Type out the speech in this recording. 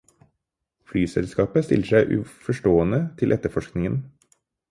Flyselskapet stiller seg uforstående til etterforskningen.